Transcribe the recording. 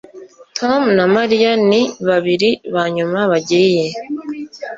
Tom na Mariya ni babiri ba nyuma bagiye